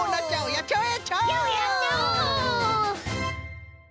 やっちゃおう！